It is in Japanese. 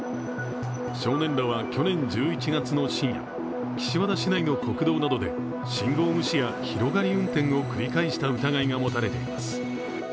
少年らは去年１１月の深夜岸和田市内の国道などで信号無視や広がり運転を繰り返した疑いが持たれています。